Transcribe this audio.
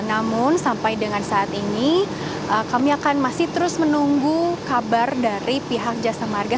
namun sampai dengan saat ini kami akan masih terus menunggu kabar dari pihak jasa marga